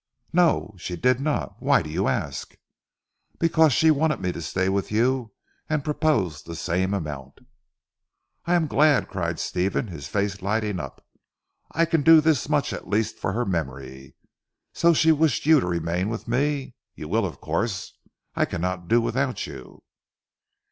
"No! she did not. Why do you ask?" "Because she wanted me to stay with you, and proposed the same amount." "I am glad," cried Stephen his face lighting up. "I can do this much at least for her memory. So she wished you to remain with me? You will of course. I cannot do without you."